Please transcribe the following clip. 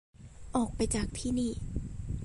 ออกไปจากที่นี่